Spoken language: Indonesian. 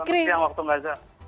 selamat siang waktu gaza